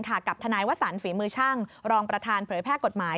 กับทนายวสันฝีมือช่างรองประธานเผยแพร่กฎหมาย